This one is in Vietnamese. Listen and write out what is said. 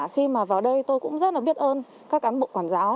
khi mà vào đây tôi cũng rất là biết ơn các cán bộ quản giáo